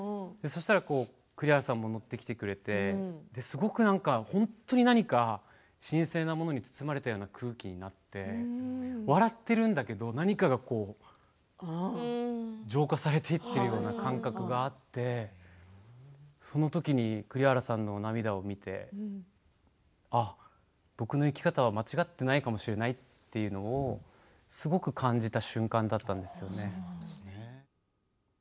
そしたら栗原さんも乗ってきてくれてで、すごく何か本当に何か神聖なものに包まれた空気になって笑っているんだけど何かがこう浄化されていっているような感覚があってそのときに栗原さんの涙を見てあっ、僕の生き方は間違っていないかもしれないっていうのをすごく感じた瞬間だったんですよね。